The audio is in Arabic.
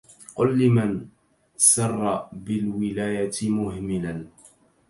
قل لمن سر بالولاية مهملا